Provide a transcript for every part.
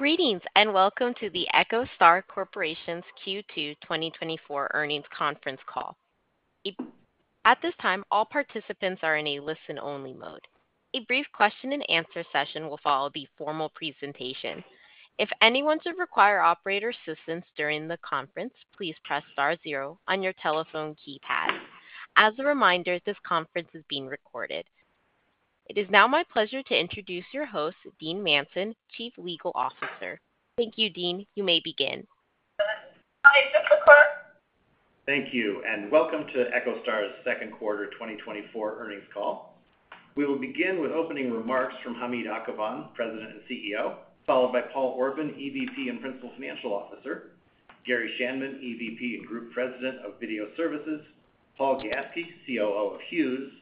Greetings, and welcome to the EchoStar Corporation's Q2 2024 Earnings Conference Call. At this time, all participants are in a listen-only mode. A brief Q&A session will follow the formal presentation. If anyone should require operator assistance during the conference, please press star zero on your telephone keypad. As a reminder, this conference is being recorded. It is now my pleasure to introduce your host, Dean Manson, Chief Legal Officer. Thank you, Dean. You may begin. Thank you, and welcome to EchoStar's Q2 2024 Earnings Call. We will begin with opening remarks from Hamid Akhavan, President and CEO, followed by Paul Orban, EVP and Principal Financial Officer, Gary Schanman, EVP and Group President of Video Services, Paul Gaske, COO of Hughes,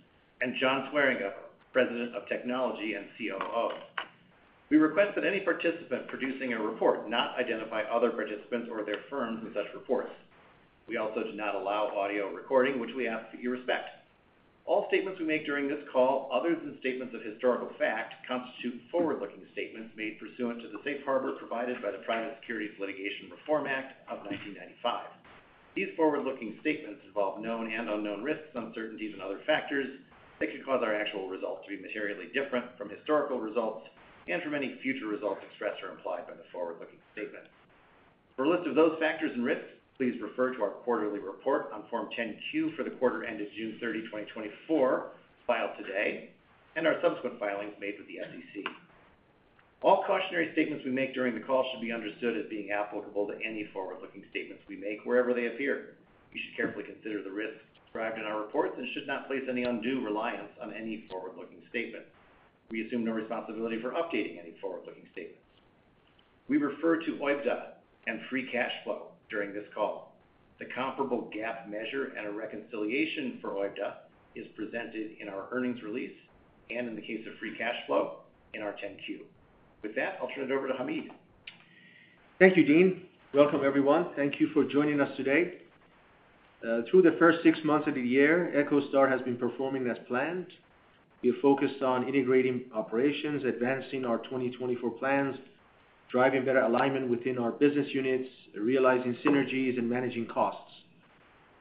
and John Swieringa, President of Technology and COO. We request that any participant producing a report not identify other participants or their firms in such reports. We also do not allow audio recording, which we ask that you respect. All statements we make during this call, other than statements of historical fact, constitute forward-looking statements made pursuant to the safe harbor provided by the Private Securities Litigation Reform Act of 1995. These forward-looking statements involve known and unknown risks, uncertainties, and other factors that could cause our actual results to be materially different from historical results and from any future results expressed or implied by the forward-looking statement. For a list of those factors and risks, please refer to our quarterly report on Form 10-Q for the quarter ended June 30, 2024, filed today, and our subsequent filings made with the SEC. All cautionary statements we make during the call should be understood as being applicable to any forward-looking statements we make wherever they appear. You should carefully consider the risks described in our reports and should not place any undue reliance on any forward-looking statements. We assume no responsibility for updating any forward-looking statements. We refer to OIBDA and free cash flow during this call. The comparable GAAP measure and a reconciliation for OIBDA is presented in our earnings release, and in the case of free cash flow, in our 10-Q. With that, I'll turn it over to Hamid. Thank you, Dean. Welcome, everyone. Thank you for joining us today. Through the first six months of the year, EchoStar has been performing as planned. We are focused on integrating operations, advancing our 2024 plans, driving better alignment within our business units, realizing synergies, and managing costs.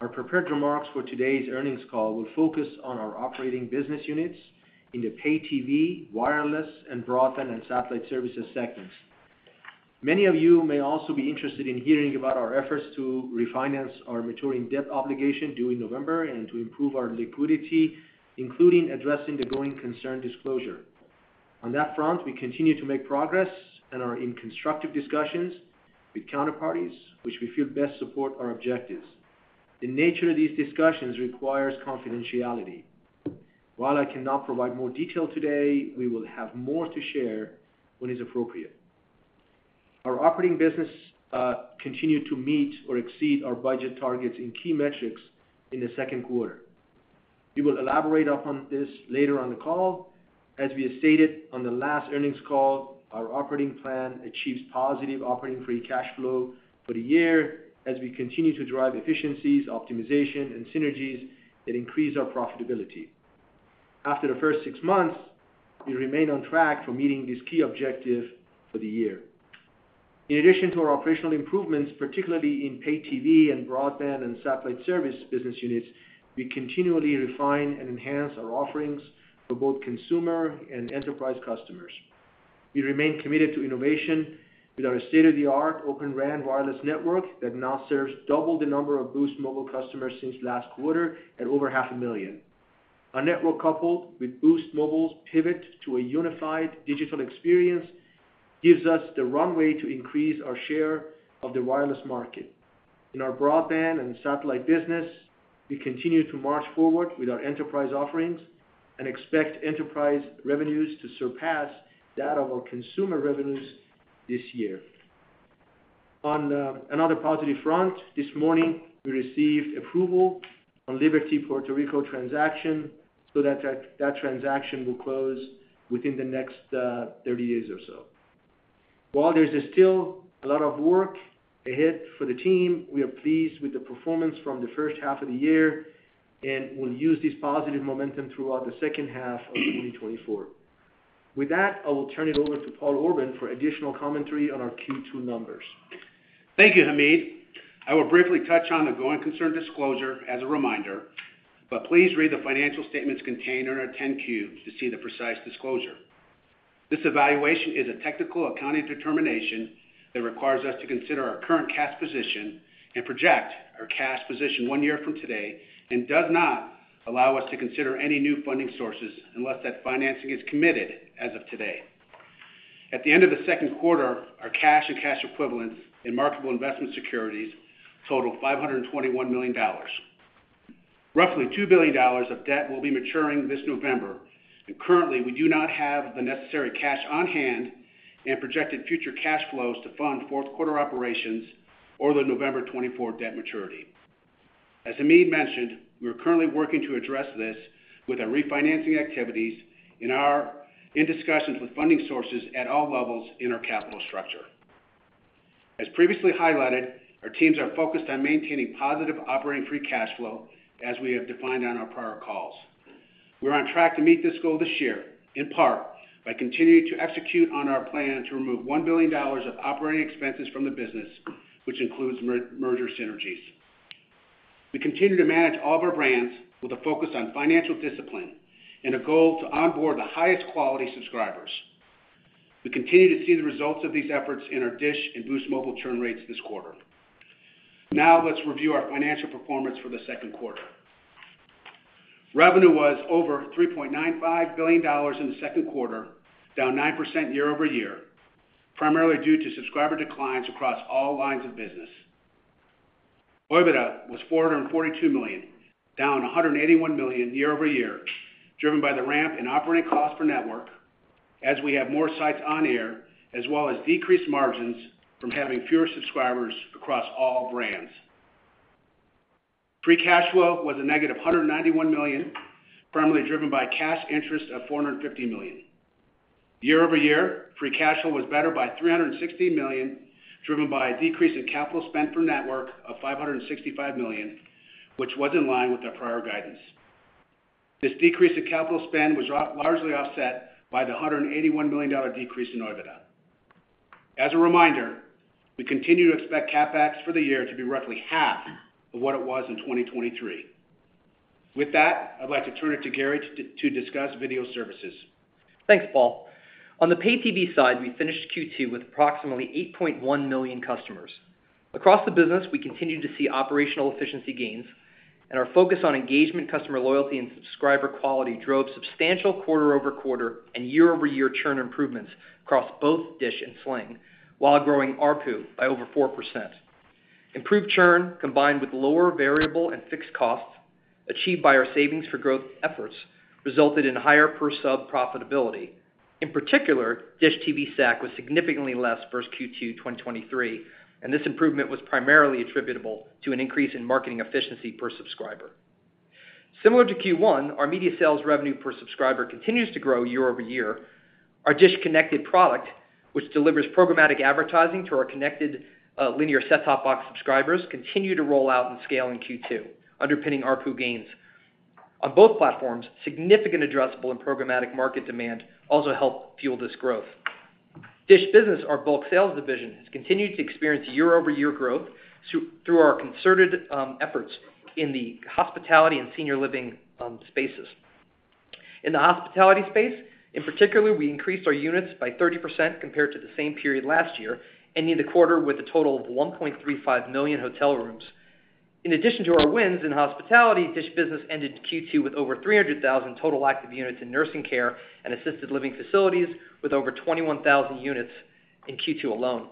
Our prepared remarks for today's earnings call will focus on our operating business units in the pay TV, wireless, and broadband, and satellite services segments. Many of you may also be interested in hearing about our efforts to refinance our maturing debt obligation due in November and to improve our liquidity, including addressing the going concern disclosure. On that front, we continue to make progress and are in constructive discussions with counterparties, which we feel best support our objectives. The nature of these discussions requires confidentiality. While I cannot provide more detail today, we will have more to share when it's appropriate. Our operating business continued to meet or exceed our budget targets in key metrics in the Q2. We will elaborate upon this later on the call. As we have stated on the last earnings call, our operating plan achieves positive operating free cash flow for the year as we continue to drive efficiencies, optimization, and synergies that increase our profitability. After the first six months, we remain on track for meeting this key objective for the year. In addition to our operational improvements, particularly in pay TV and broadband and satellite service business units, we continually refine and enhance our offerings for both consumer and enterprise customers. We remain committed to innovation with our state-of-the-art Open RAN wireless network that now serves double the number of Boost Mobile customers since last quarter at over 500,000. Our network, coupled with Boost Mobile's pivot to a unified digital experience, gives us the runway to increase our share of the wireless market. In our broadband and satellite business, we continue to march forward with our enterprise offerings and expect enterprise revenues to surpass that of our consumer revenues this year. On another positive front, this morning, we received approval on Liberty Puerto Rico transaction, so that, that transaction will close within the next 30 days or so. While there is still a lot of work ahead for the team, we are pleased with the performance from the first half of the year, and we'll use this positive momentum throughout the second half of 2024. With that, I will turn it over to Paul Orban for additional commentary on our Q2 numbers. Thank you, Hamid. I will briefly touch on the going concern disclosure as a reminder, but please read the financial statements contained in our 10-Q to see the precise disclosure. This evaluation is a technical accounting determination that requires us to consider our current cash position and project our cash position one year from today and does not allow us to consider any new funding sources unless that financing is committed as of today. At the end of the Q2, our cash and cash equivalents in marketable investment securities totaled $521 million. Roughly $2 billion of debt will be maturing this November, and currently, we do not have the necessary cash on hand and projected future cash flows to fund Q4 operations or the November 2024 debt maturity. As Hamid mentioned, we are currently working to address this with our refinancing activities, in discussions with funding sources at all levels in our capital structure. As previously highlighted, our teams are focused on maintaining positive operating free cash flow as we have defined on our prior calls. We're on track to meet this goal this year, in part, by continuing to execute on our plan to remove $1 billion of operating expenses from the business, which includes merger synergies. We continue to manage all of our brands with a focus on financial discipline and a goal to onboard the highest quality subscribers. We continue to see the results of these efforts in our DISH and Boost Mobile churn rates this quarter. Now, let's review our financial performance for the Q2. Revenue was over $3.95 billion in the Q2, down 9% year over year, primarily due to subscriber declines across all lines of business. OIBDA was $442 million, down $181 million year-over-year, driven by the ramp in operating costs per network as we have more sites on air, as well as decreased margins from having fewer subscribers across all brands. Free cash flow was a negative $191 million, primarily driven by cash interest of $450 million. Year-over-year, free cash flow was better by $360 million, driven by a decrease in capital spend per network of $565 million, which was in line with our prior guidance. This decrease in capital spend was largely offset by the $181 million decrease in OIBDA. As a reminder, we continue to expect CapEx for the year to be roughly half of what it was in 2023. With that, I'd like to turn it to Gary to discuss video services. Thanks, Paul. On the pay TV side, we finished Q2 with approximately 8.1 million customers. Across the business, we continued to see operational efficiency gains, and our focus on engagement, customer loyalty, and subscriber quality drove substantial quarter-over-quarter and year-over-year churn improvements across both DISH and Sling, while growing ARPU by over 4%. Improved churn, combined with lower variable and fixed costs achieved by our savings for growth efforts, resulted in higher per sub profitability. In particular, DISH TV SAC was significantly less versus Q2 2023, and this improvement was primarily attributable to an increase in marketing efficiency per subscriber. Similar to Q1, our media sales revenue per subscriber continues to grow year-over-year. Our DISH Connected product, which delivers programmatic advertising to our connected, linear set-top box subscribers, continue to roll out and scale in Q2, underpinning ARPU gains. On both platforms, significant addressable and programmatic market demand also helped fuel this growth. DISH Business, our bulk sales division, has continued to experience year-over-year growth through our concerted efforts in the hospitality and senior living spaces. In the hospitality space, in particular, we increased our units by 30% compared to the same period last year, ending the quarter with a total of 1.35 million hotel rooms. In addition to our wins in hospitality, DISH Business ended Q2 with over 300,000 total active units in nursing care and assisted living facilities, with over 21,000 units in Q2 alone.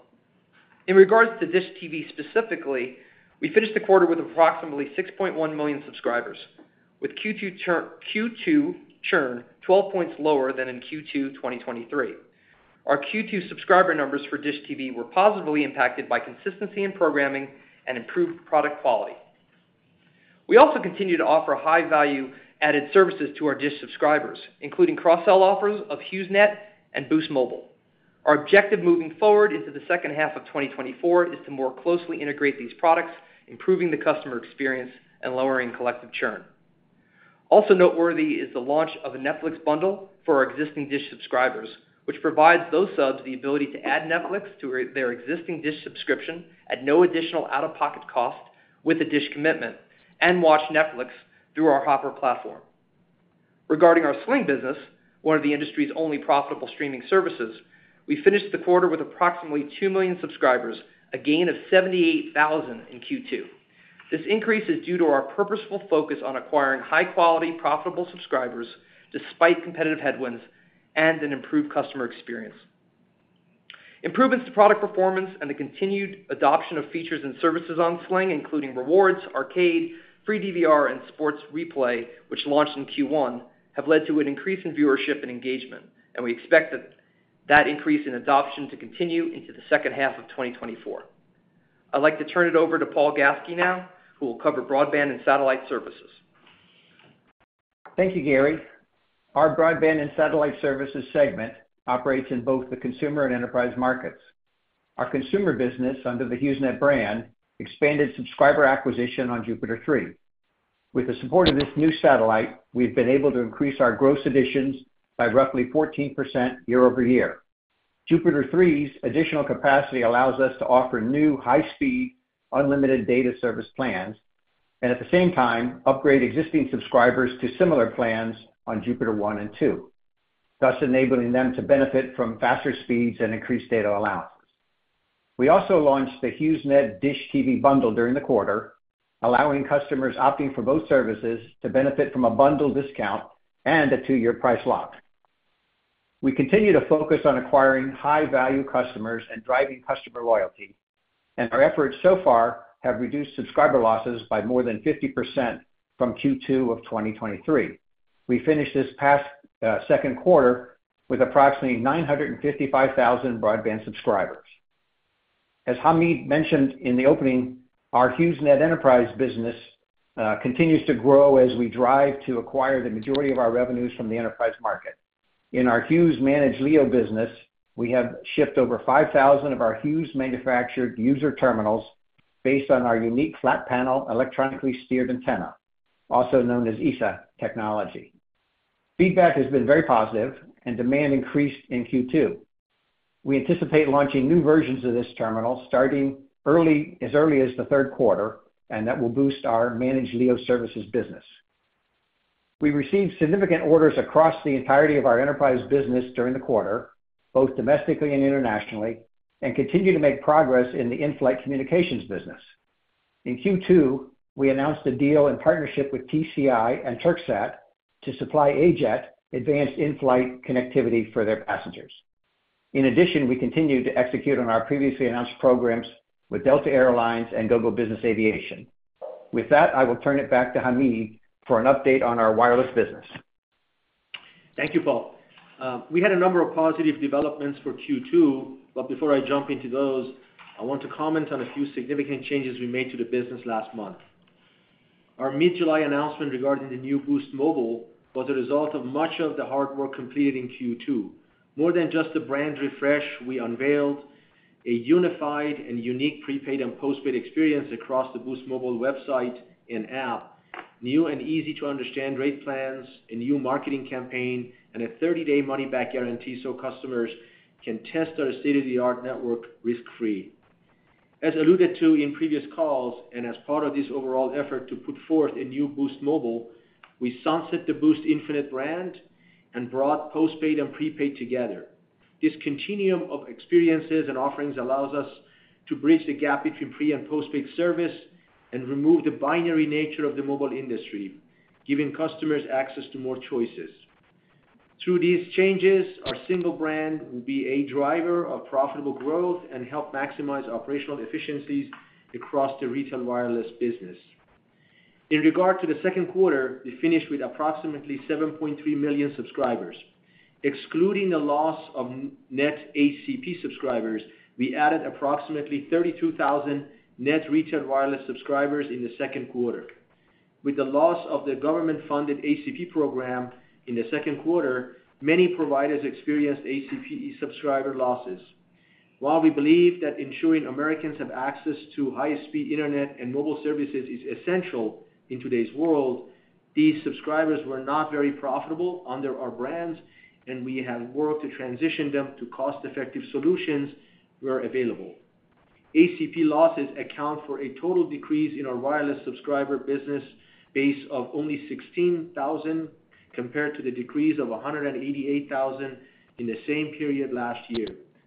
In regards to DISH TV specifically, we finished the quarter with approximately 6.1 million subscribers, with Q2 churn 12 points lower than in Q2 2023. Our Q2 subscriber numbers for DISH TV were positively impacted by consistency in programming and improved product quality. We also continue to offer high-value added services to our DISH subscribers, including cross-sell offers of HughesNet and Boost Mobile. Our objective moving forward into the second half of 2024 is to more closely integrate these products, improving the customer experience and lowering collective churn. Also noteworthy is the launch of a Netflix bundle for our existing DISH subscribers, which provides those subs the ability to add Netflix to their existing DISH subscription at no additional out-of-pocket cost with a DISH commitment and watch Netflix through our Hopper platform. Regarding our Sling business, one of the industry's only profitable streaming services, we finished the quarter with approximately 2 million subscribers, a gain of 78,000 in Q2. This increase is due to our purposeful focus on acquiring high-quality, profitable subscribers despite competitive headwinds and an improved customer experience. Improvements to product performance and the continued adoption of features and services on Sling, including Rewards, Arcade, free DVR and Sports Replay, which launched in Q1, have led to an increase in viewership and engagement, and we expect that increase in adoption to continue into the second half of 2024. I'd like to turn it over to Paul Gaske now, who will cover broadband and satellite services. Thank you, Gary. Our broadband and satellite services segment operates in both the consumer and enterprise markets. Our consumer business, under the HughesNet brand, expanded subscriber acquisition on Jupiter 3. With the support of this new satellite, we've been able to increase our gross additions by roughly 14% year-over-year. Jupiter 3's additional capacity allows us to offer new, high-speed, unlimited data service plans, and at the same time, upgrade existing subscribers to similar plans on Jupiter 1 and 2, thus enabling them to benefit from faster speeds and increased data allowance. We also launched the HughesNet DISH TV bundle during the quarter, allowing customers opting for both services to benefit from a bundle discount and a two-year price lock. We continue to focus on acquiring high-value customers and driving customer loyalty, and our efforts so far have reduced subscriber losses by more than 50% from Q2 of 2023. We finished this past Q2 with approximately 955,000 broadband subscribers. As Hamid mentioned in the opening, our HughesNet enterprise business continues to grow as we drive to acquire the majority of our revenues from the enterprise market. In our Hughes Managed LEO business, we have shipped over 5,000 of our Hughes-manufactured user terminals based on our unique flat panel, electronically steered antenna, also known as ESA technology. Feedback has been very positive, and demand increased in Q2. We anticipate launching new versions of this terminal starting early, as early as the Q3, and that will boost our Managed LEO Services business. We received significant orders across the entirety of our enterprise business during the quarter, both domestically and internationally, and continue to make progress in the in-flight communications business. In Q2, we announced a deal in partnership with TCI and Turksat to supply AJet advanced in-flight connectivity for their passengers. In addition, we continued to execute on our previously announced programs with Delta Air Lines and Gogo Business Aviation. With that, I will turn it back to Hamid for an update on our wireless business. Thank you, Paul. We had a number of positive developments for Q2, but before I jump into those, I want to comment on a few significant changes we made to the business last month. Our mid-July announcement regarding the new Boost Mobile was a result of much of the hard work completed in Q2. More than just a brand refresh, we unveiled a unified and unique prepaid and postpaid experience across the Boost Mobile website and app, new and easy-to-understand rate plans, a new marketing campaign, and a 30-day money-back guarantee so customers can test our state-of-the-art network risk-free. As alluded to in previous calls, and as part of this overall effort to put forth a new Boost Mobile, we sunset the Boost Infinite brand and brought postpaid and prepaid together. This continuum of experiences and offerings allows us to bridge the gap between pre- and postpaid service and remove the binary nature of the mobile industry, giving customers access to more choices. Through these changes, our single brand will be a driver of profitable growth and help maximize operational efficiencies across the retail wireless business. In regard to the Q2, we finished with approximately 7.3 million subscribers. Excluding the loss of net ACP subscribers, we added approximately 32,000 net retail wireless subscribers in the Q2. With the loss of the government-funded ACP program in the Q2, many providers experienced ACP subscriber losses. While we believe that ensuring Americans have access to high-speed internet and mobile services is essential in today's world, these subscribers were not very profitable under our brands, and we have worked to transition them to cost-effective solutions where available. ACP losses account for a total decrease in our wireless subscriber business base of only 16,000, compared to the decrease of 188,000 in the same period last year,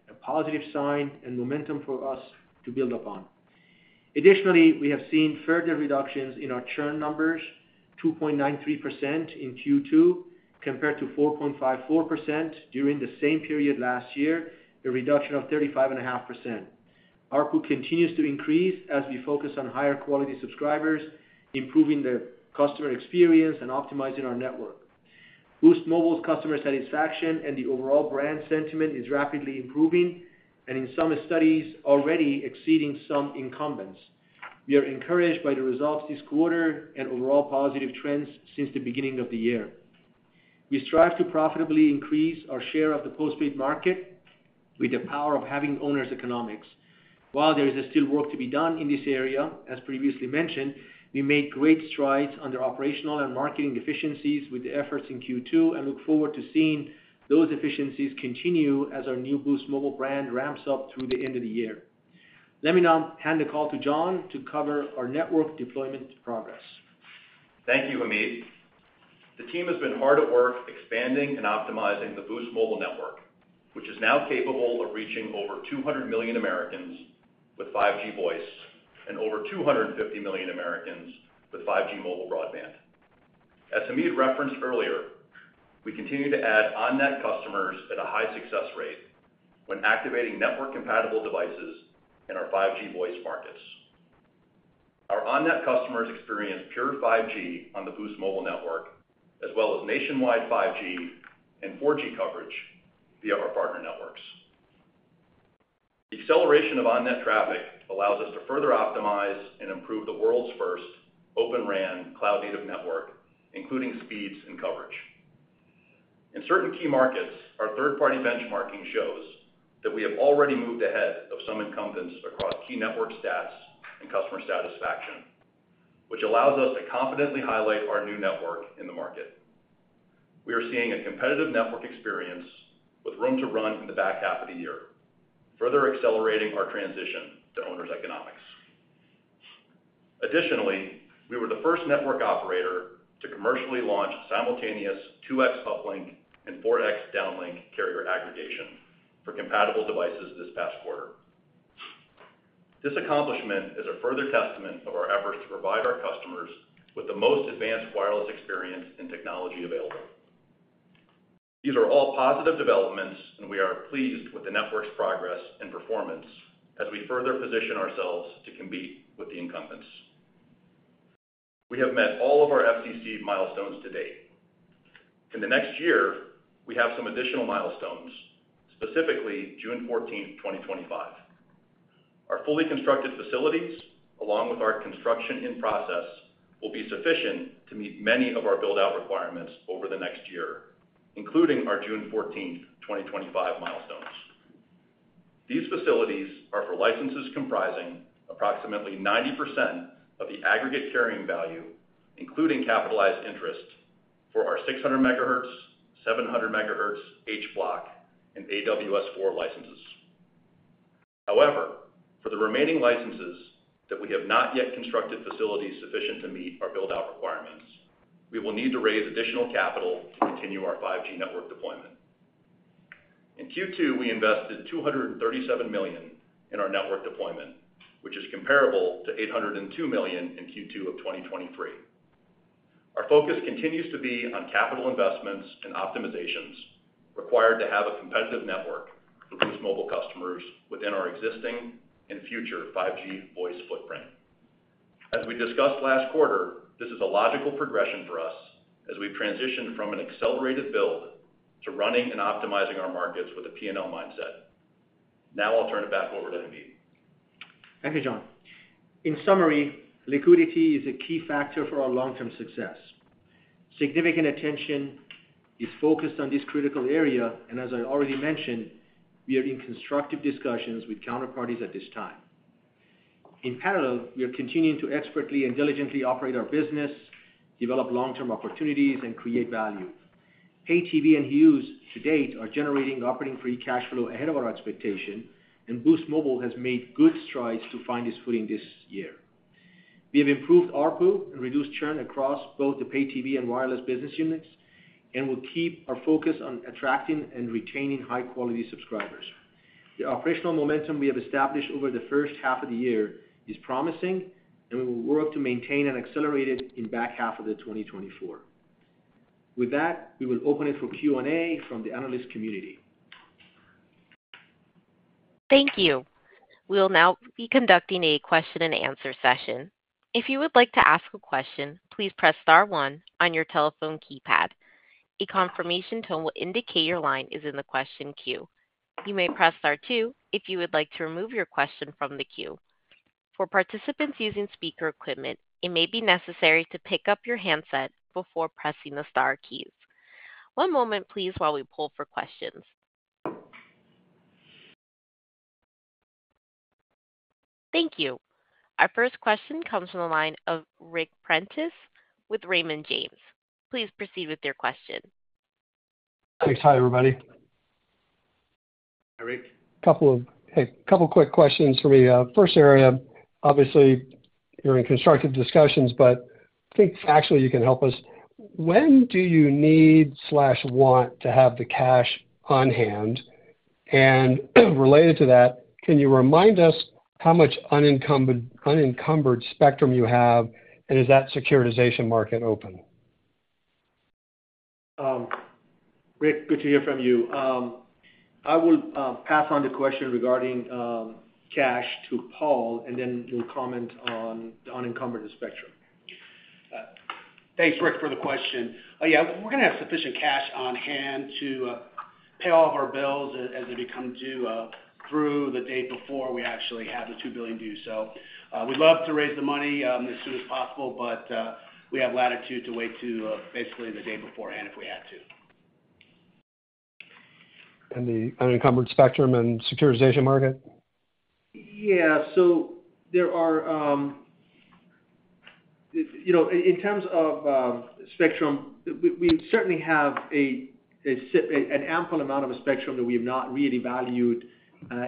a positive sign and momentum for us to build upon. Additionally, we have seen further reductions in our churn numbers, 2.93% in Q2, compared to 4.54% during the same period last year, a reduction of 35.5%. ARPU continues to increase as we focus on higher-quality subscribers, improving the customer experience, and optimizing our network. Boost Mobile's customer satisfaction and the overall brand sentiment is rapidly improving, and in some studies already exceeding some incumbents. We are encouraged by the results this quarter and overall positive trends since the beginning of the year. We strive to profitably increase our share of the postpaid market with the power of having owners' economics. While there is still work to be done in this area, as previously mentioned, we made great strides under operational and marketing efficiencies with the efforts in Q2, and look forward to seeing those efficiencies continue as our new Boost Mobile brand ramps up through the end of the year. Let me now hand the call to John to cover our network deployment progress. Thank you, Hamid. The team has been hard at work expanding and optimizing the Boost Mobile network, which is now capable of reaching over 200 million Americans with 5G voice and over 250 million Americans with 5G mobile broadband. As Hamid referenced earlier, we continue to add on-net customers at a high success rate when activating network-compatible devices in our 5G Voice markets. Our on-net customers experience pure 5G on the Boost Mobile network, as well as nationwide 5G and 4G coverage via our partner networks. The acceleration of on-net traffic allows us to further optimize and improve the world's first Open RAN cloud-native network, including speeds and coverage. In certain key markets, our third-party benchmarking shows that we have already moved ahead of some incumbents across key network stats and customer satisfaction, which allows us to confidently highlight our new network in the market. We are seeing a competitive network experience with room to run in the back half of the year, further accelerating our transition to owners' economics. Additionally, we were the first network operator to commercially launch simultaneous 2x uplink and 4x downlink carrier aggregation for compatible devices this past quarter. This accomplishment is a further testament of our efforts to provide our customers with the most advanced wireless experience and technology available. These are all positive developments, and we are pleased with the network's progress and performance as we further position ourselves to compete with the incumbents. We have met all of our FCC milestones to date. In the next year, we have some additional milestones, specifically June 14th, 2025. Our fully constructed facilities, along with our construction in process, will be sufficient to meet many of our build-out requirements over the next year, including our June 14th, 2025 milestones. These facilities are for licenses comprising approximately 90% of the aggregate carrying value, including capitalized interest for our 600 MHz, 700 MHz, H Block, and AWS-4 licenses. However, for the remaining licenses that we have not yet constructed facilities sufficient to meet our build-out requirements, we will need to raise additional capital to continue our 5G network deployment. In Q2, we invested $237 million in our network deployment, which is comparable to $802 million in Q2 of 2023. Our focus continues to be on capital investments and optimizations required to have a competitive network for Boost Mobile customers within our existing and future 5G voice footprint. As we discussed last quarter, this is a logical progression for us as we transition from an accelerated build to running and optimizing our markets with a P&L mindset. Now I'll turn it back over to Hamid. Thank you, John. In summary, liquidity is a key factor for our long-term success. Significant attention is focused on this critical area, and as I already mentioned, we are in constructive discussions with counterparties at this time. In parallel, we are continuing to expertly and diligently operate our business, develop long-term opportunities, and create value. Pay TV and Hughes, to date, are generating operating free cash flow ahead of our expectation, and Boost Mobile has made good strides to find its footing this year. We have improved ARPU and reduced churn across both the Pay TV and wireless business units, and will keep our focus on attracting and retaining high-quality subscribers. The operational momentum we have established over the first half of the year is promising, and we will work to maintain and accelerate it in back half of the 2024. With that, we will open it for Q&A from the analyst community. Thank you. We'll now be conducting a Q&A session. If you would like to ask a question, please press star one on your telephone keypad. A confirmation tone will indicate your line is in the question queue. You may press star two if you would like to remove your question from the queue. For participants using speaker equipment, it may be necessary to pick up your handset before pressing the star keys. One moment, please, while we pull for questions. Thank you. Our first question comes from the line of Ric Prentiss with Raymond James. Please proceed with your question. Thanks. Hi, everybody. Hi, Rick. A couple quick questions for me. First, area, obviously, you're in constructive discussions, but I think factually you can help us. When do you need or want to have the cash on hand? And related to that, can you remind us how much unencumbered spectrum you have, and is that securitization market open? Ric, good to hear from you. I will pass on the question regarding cash to Paul, and then we'll comment on the unencumbered spectrum. Thanks, Rick, for the question. We're gonna have sufficient cash on hand to pay all of our bills as they become due through the day before we actually have the $2 billion due. So, we'd love to raise the money as soon as possible, but we have latitude to wait to basically the day beforehand, if we had to. The unencumbered spectrum and securitization market? So there are, you know, in terms of spectrum, we certainly have an ample amount of a spectrum that we have not reevaluated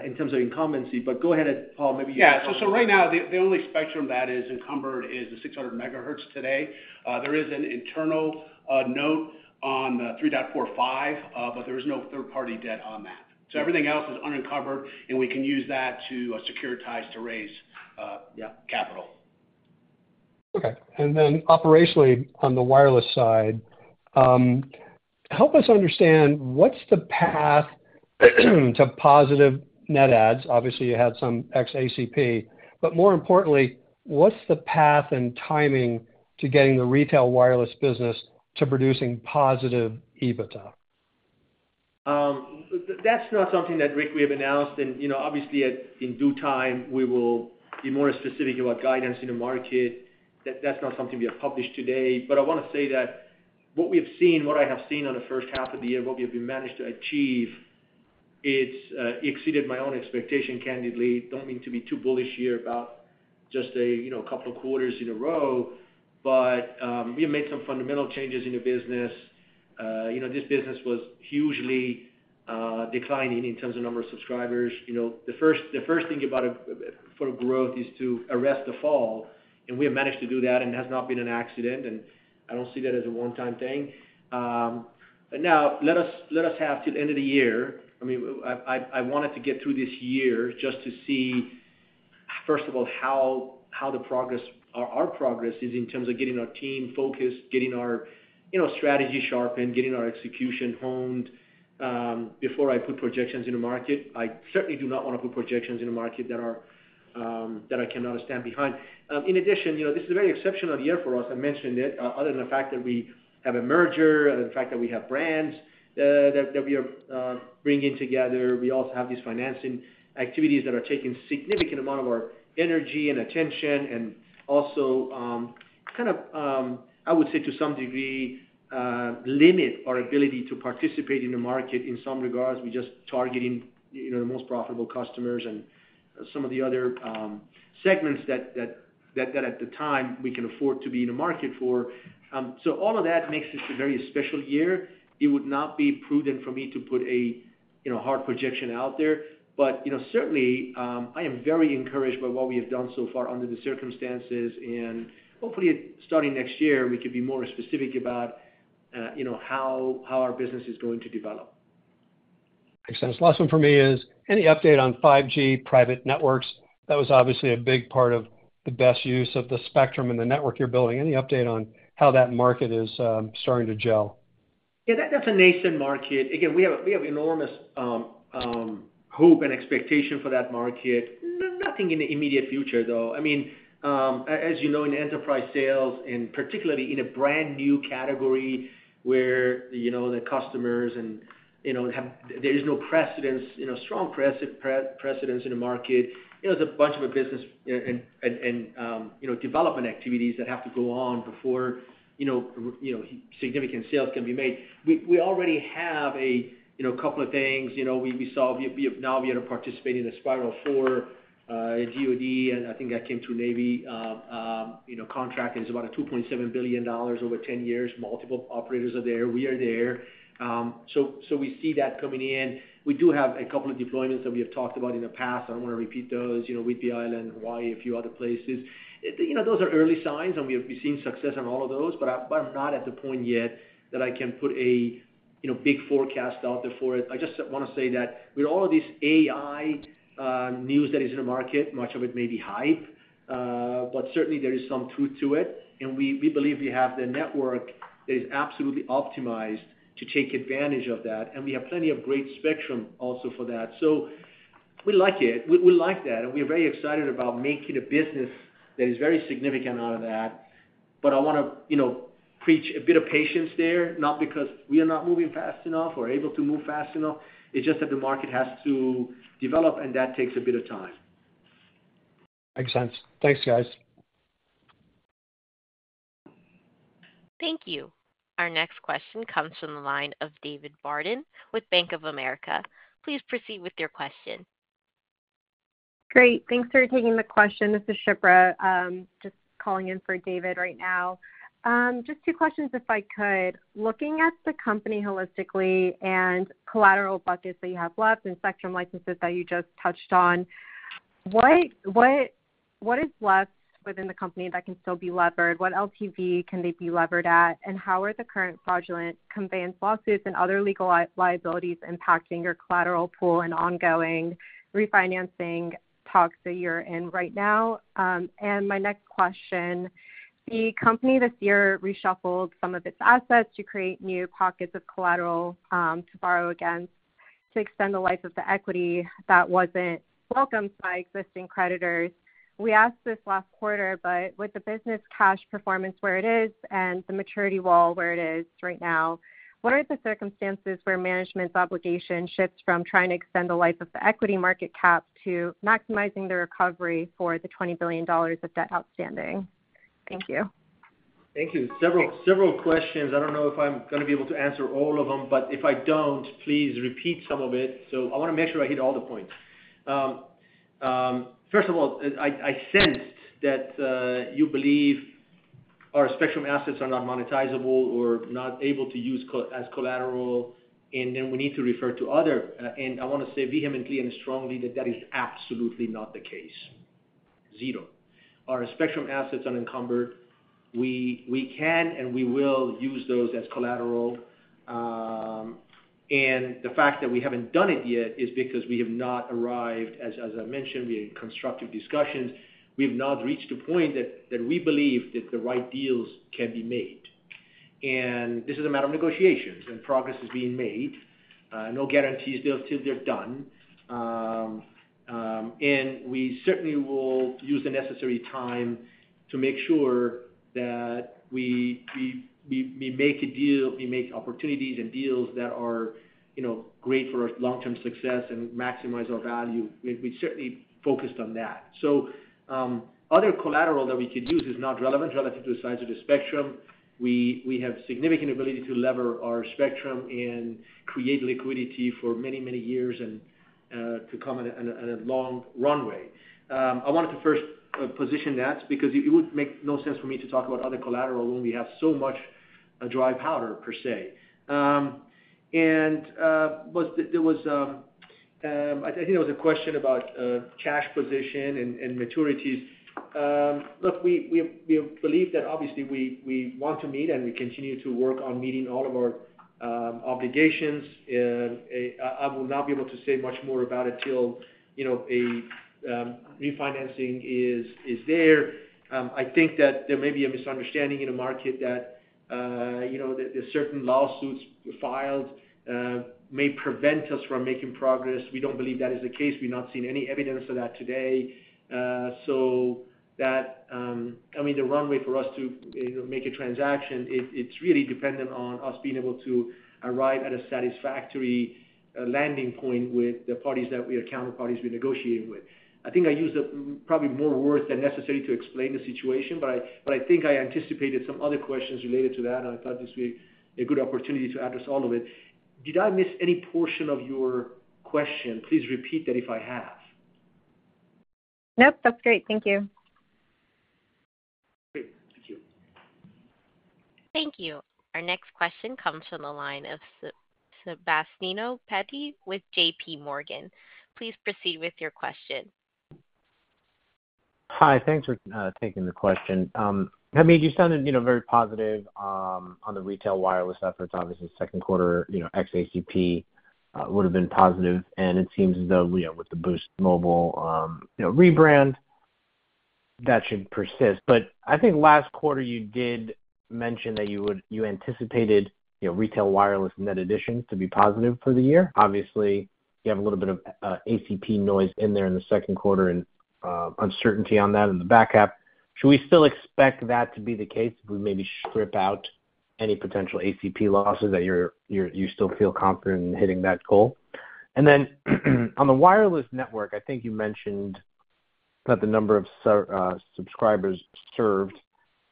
in terms of incumbency. But go ahead, Paul, maybe you- So right now, the, the only spectrum that is encumbered is the 600 MHz today. There is an internal, note on the 3.45 GHz, but there is no third-party debt on that. So everything else is unencumbered, and we can use that to, securitize to raise capital. Okay. And then operationally, on the wireless side, help us understand what's the path to positive net adds? Obviously, you had some ex-ACP, but more importantly, what's the path and timing to getting the retail wireless business to producing positive EBITDA? That's not something that, Rick, we have announced. You know, obviously, in due time, we will be more specific about guidance in the market. That's not something we have published today. But I wanna say that what we have seen, what I have seen on the first half of the year, what we have been managed to achieve, it's exceeded my own expectation, candidly. Don't mean to be too bullish here about just a, you know, couple of quarters in a row, but we have made some fundamental changes in the business. You know, this business was hugely declining in terms of number of subscribers. The first thing about growth is to arrest the fall, and we have managed to do that, and has not been an accident, and I don't see that as a one-time thing. But now let us have till the end of the year. I mean, I wanted to get through this year just to see, first of all, how our progress is in terms of getting our team focused, getting our, you know, strategy sharpened, getting our execution honed, before I put projections in the market. I certainly do not want to put projections in the market that I cannot stand behind. In addition, you know, this is a very exceptional year for us. I mentioned it, other than the fact that we have a merger, other than the fact that we have brands that we are bringing together. We also have these financing activities that are taking significant amount of our energy and attention, and also, I would say to some degree, limit our ability to participate in the market. In some regards, we just targeting, you know, the most profitable customers and some of the other, segments that, at the time, we can afford to be in the market for. So all of that makes this a very special year. It would not be prudent for me to put a, you know, hard projection out there, but, you know, certainly, I am very encouraged by what we have done so far under the circumstances, and hopefully starting next year, we could be more specific about, you know, how our business is going to develop. Makes sense. Last one for me is, any update on 5G private networks? That was obviously a big part of the best use of the spectrum and the network you're building. Any update on how that market is starting to gel? That's a nascent market. Again, we have enormous hope and expectation for that market. Nothing in the immediate future, though. I mean, as you know, in enterprise sales, and particularly in a brand-new category where you know, the customers and, you know, have no strong precedence in the market. You know, there's a bunch of business and development activities that have to go on before significant sales can be made. We already have a couple of things. You know, we saw. We have now been able to participate in the Spiral 4, DoD, and I think that came through Navy. Contract is about a $2.7 billion over 10 years. Multiple operators are there. We are there. So, so we see that coming in. We do have a couple of deployments that we have talked about in the past. I don't want to repeat those. You know, Whidbey Island, Hawaii, a few other places. You know, those are early signs, and we have been seeing success on all of those, but I'm not at the point yet that I can put a, you know, big forecast out there for it. I just want to say that with all of this AI news that is in the market, much of it may be hype, but certainly there is some truth to it, and we, we believe we have the network that is absolutely optimized to take advantage of that, and we have plenty of great spectrum also for that. So we like it. We, we like that, and we are very excited about making a business that is very significant out of that. But I wanna, you know, preach a bit of patience there, not because we are not moving fast enough or able to move fast enough. It's just that the market has to develop, and that takes a bit of time. Makes sense. Thanks, guys. Thank you. Our next question comes from the line of David Barden with Bank of America. Please proceed with your question. Great. Thanks for taking the question. This is Shipra. Just calling in for David right now. Just two questions, if I could. Looking at the company holistically and collateral buckets that you have left and spectrum licenses that you just touched on, what is left within the company that can still be levered? What LTV can they be levered at? And how are the current fraudulent conveyance lawsuits and other legal liabilities impacting your collateral pool and ongoing refinancing talks that you're in right now? And my next question: The company this year reshuffled some of its assets to create new pockets of collateral, to borrow against, to extend the life of the equity that wasn't welcomed by existing creditors. We asked this last quarter, but with the business cash performance where it is and the maturity wall where it is right now, what are the circumstances where management's obligation shifts from trying to extend the life of the equity market cap to maximizing the recovery for the $20 billion of debt outstanding? Thank you. Thank you. Several, several questions. I don't know if I'm gonna be able to answer all of them, but if I don't, please repeat some of it. So I wanna make sure I hit all the points. First of all, I sense that you believe our spectrum assets are not monetizable or not able to use as collateral, and then we need to refer to other. And I wanna say vehemently and strongly that that is absolutely not the case. Zero. Our spectrum assets unencumbered. We can and we will use those as collateral. And the fact that we haven't done it yet is because we have not arrived. As I mentioned, we are in constructive discussions. We have not reached a point that we believe that the right deals can be made. This is a matter of negotiations, and progress is being made. No guarantees till they're done. And we certainly will use the necessary time to make sure that we make a deal, we make opportunities and deals that are, you know, great for our long-term success and maximize our value. We certainly focused on that. Other collateral that we could use is not relevant relative to the size of the spectrum. We have significant ability to leverage our spectrum and create liquidity for many, many years and to come on a long runway. I wanted to first position that because it would make no sense for me to talk about other collateral when we have so much dry powder, per se. But there was a question about cash position and maturities. Look, we believe that obviously we want to meet, and we continue to work on meeting all of our obligations. I will not be able to say much more about it till, you know, a refinancing is there. I think that there may be a misunderstanding in the market that, you know, that the certain lawsuits filed may prevent us from making progress. We don't believe that is the case. We've not seen any evidence of that today. So that, I mean, the runway for us to, you know, make a transaction, it's really dependent on us being able to arrive at a satisfactory landing point with the parties that we or counter parties we're negotiating with. I think I used probably more words than necessary to explain the situation, but I, but I think I anticipated some other questions related to that, and I thought this would be a good opportunity to address all of it. Did I miss any portion of your question? Please repeat that if I have. Nope, that's great. Thank you. Great, thank you. Thank you. Our next question comes from the line of Sebastiano Petti with J.P. Morgan. Please proceed with your question. Hi, thanks for taking the question. I mean, you sounded, you know, very positive on the retail wireless efforts. Obviously, Q2, you know, ex-ACP would have been positive, and it seems as though, you know, with the Boost Mobile, you know, rebrand, that should persist. But I think last quarter you did mention that you anticipated, you know, retail wireless net additions to be positive for the year. Obviously, you have a little bit of ACP noise in there in the Q2 and uncertainty on that in the back half. Should we still expect that to be the case if we maybe strip out any potential ACP losses, that you still feel confident in hitting that goal? And then, on the wireless network, I think you mentioned that the number of subscribers served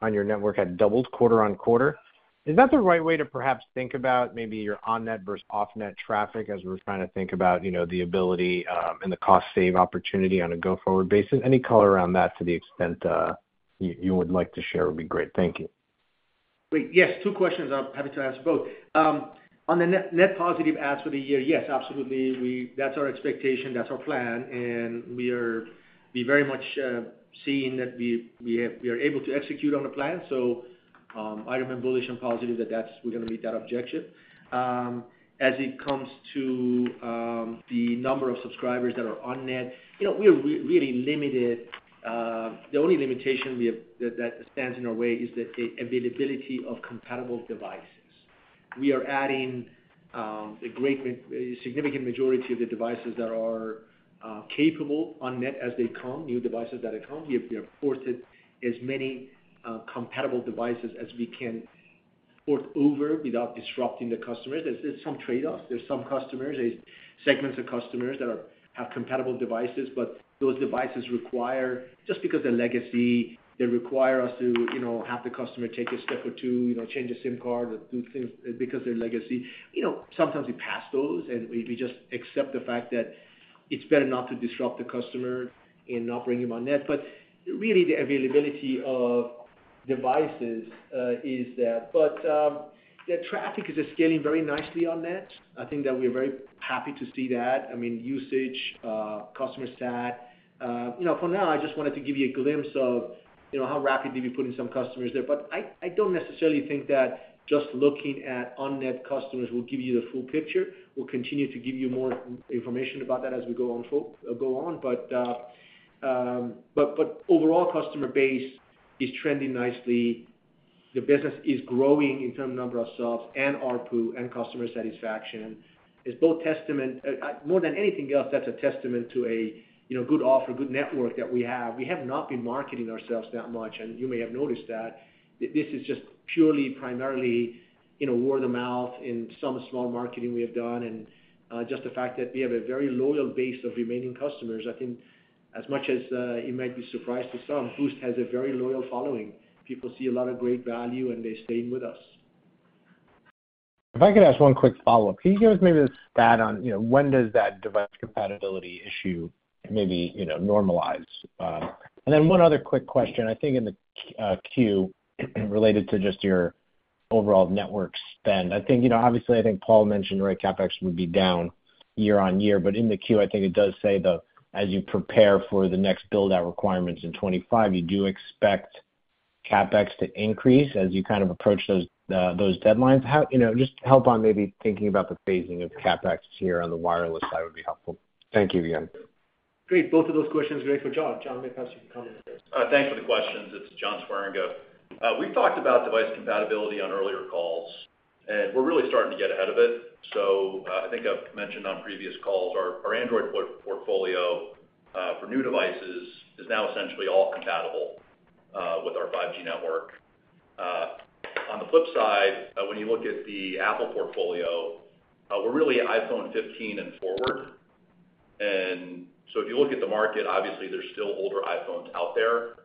on your network had doubled quarter-over-quarter. Is that the right way to perhaps think about maybe your on-net versus off-net traffic, as we're trying to think about, you know, the ability and the cost save opportunity on a go-forward basis? Any color around that, to the extent you would like to share, would be great. Thank you. Great. Yes, two questions. I'm happy to answer both. On the net, net positive adds for the year, yes, absolutely, that's our expectation, that's our plan, and we are. We very much seeing that we are able to execute on the plan. So, I remain bullish and positive that that's we're going to meet that objective. As it comes to, the number of subscribers that are on net, you know, we are really limited. The only limitation we have, that stands in our way is the availability of compatible devices. We are adding a significant majority of the devices that are capable on net as they come, new devices that come. We have ported as many compatible devices as we can port over without disrupting the customers. There's some trade-offs. There's some customers, there's segments of customers that are, have compatible devices, but those devices require, just because they're legacy, they require us to, you know, have the customer take a step or two, you know, change a SIM card or do things because they're legacy. You know, sometimes we pass those, and we, we just accept the fact that it's better not to disrupt the customer and not bring them on net. But really, the availability of devices, is that. But, the traffic is scaling very nicely on net. I think that we're very happy to see that. I mean, usage, customer stat. You know, for now, I just wanted to give you a glimpse of, you know, how rapidly we're putting some customers there. But I don't necessarily think that just looking at on-net customers will give you the full picture. We'll continue to give you more information about that as we go on. But overall customer base is trending nicely. The business is growing in terms of number of subscribers and ARPU and customer satisfaction. It's a testament. More than anything else, that's a testament to a, you know, good offer, good network that we have. We have not been marketing ourselves that much, and you may have noticed that. This is just purely, primarily, you know, word of mouth in some small marketing we have done and just the fact that we have a very loyal base of remaining customers. I think as much as you might be surprised to some, Boost has a very loyal following. People see a lot of great value, and they're staying with us. If I could ask one quick follow-up. Can you give us maybe a stat on, you know, when does that device compatibility issue maybe, you know, normalize? And then one other quick question, I think in the Q, related to just your overall network spend. I think, you know, obviously, I think Paul mentioned your CapEx would be down year-on-year, but in the Q, I think it does say, though, as you prepare for the next build-out requirements in 2025, you do expect CapEx to increase as you approach those those deadlines. You know, just help on maybe thinking about the phasing of CapEx here on the wireless side would be helpful. Thank you again. Great. Both of those questions are great for John. John, maybe you can comment. Thanks for the questions. It's John Swieringa. We talked about device compatibility on earlier calls, and we're really starting to get ahead of it. So, I think I've mentioned on previous calls, our Android portfolio for new devices is now essentially all compatible with our 5G network. On the flip side, when you look at the Apple portfolio, we're really iPhone 15 and forward. And so if you look at the market, obviously, there's still older iPhones out there.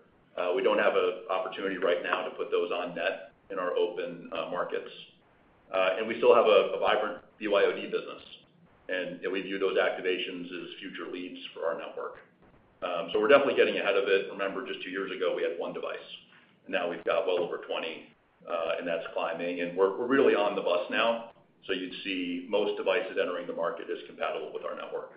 We don't have an opportunity right now to put those on net in our open markets. And we still have a vibrant BYOD business, and we view those activations as future proof for our network. So we're definitely getting ahead of it. Remember, just two years ago, we had one device, and now we've got well over 20, and that's climbing. We're really on the bus now. So you'd see most devices entering the market is compatible with our network.